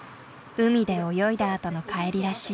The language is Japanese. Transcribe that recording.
海で泳いだあとの帰りらしい。